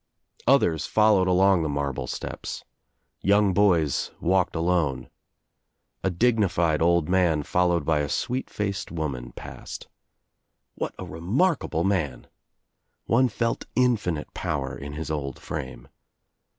Others followed along the marble steps. Young boys walked alone. A dignified old man followed by a sweet faced woman passed. What a remarkable man I One felt infinite power in his old frame.